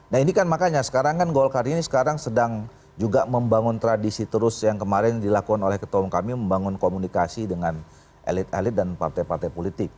nah ini kan makanya sekarang kan golkar ini sekarang sedang juga membangun tradisi terus yang kemarin dilakukan oleh ketua umum kami membangun komunikasi dengan elit elit dan partai partai politik